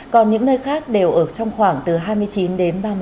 còn những nơi khác đều ở trong khoảng từ hai mươi chín đến ba mươi hai độ c